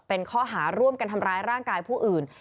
เป็นข้อหาร่วมกันทำร้ายร่างกายผู้อื่น